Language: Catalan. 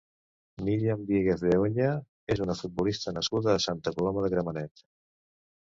Miriam Diéguez de Oña és una futbolista nascuda a Santa Coloma de Gramenet.